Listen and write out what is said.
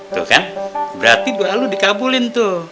tuh kan berarti dua lu dikabulin tuh